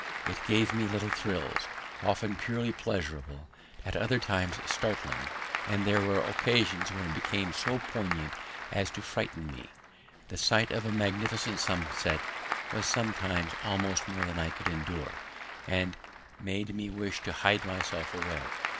It gave me little thrills, often purely pleasurable, at other times startling, and there were occasions when it became so poignant as to frighten me. The sight of a magnificent sunset was sometimes almost more than I could endure and made me wish to hide myself away.